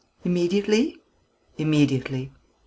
"Immediately?" "Immediately."